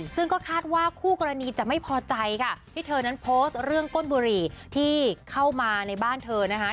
ซึ่งก็คาดว่าคู่กรณีจะไม่พอใจค่ะที่เธอนั้นโพสต์เรื่องก้นบุหรี่ที่เข้ามาในบ้านเธอนะคะ